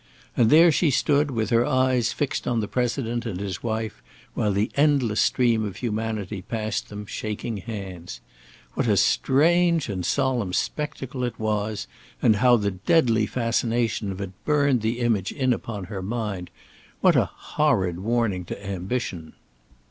And there she stood, with her eyes fixed on the President and his wife, while the endless stream of humanity passed them, shaking hands. What a strange and solemn spectacle it was, and how the deadly fascination of it burned the image in upon her mind! What a horrid warning to ambition!